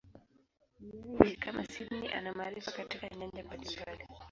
Yeye, kama Sydney, ana maarifa katika nyanja mbalimbali.